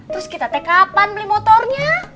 terus kita take kapan beli motornya